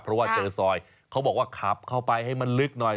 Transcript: เพราะว่าเจอซอยเขาบอกว่าขับเข้าไปให้มันลึกหน่อย